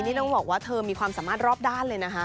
นี่ต้องบอกว่าเธอมีความสามารถรอบด้านเลยนะคะ